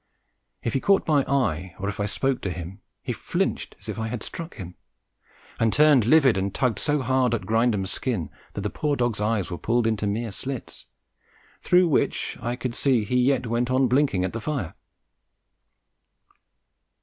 If he caught my eye, or if I spoke to him, he flinched as if I had struck him, and turned livid and tugged so hard at Grindum's skin that the poor dog's eyes were pulled into mere slits, through which I could see he yet went on blinking at the fire.